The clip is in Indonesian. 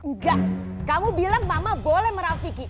enggak kamu bilang mama boleh merawat vicky